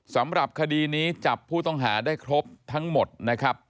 สำหรับคดีนี้จับผู้ต้องหาได้ครบทั้งหมดนะครับ